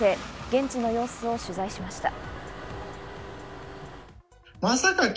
現地の様子を取材しました。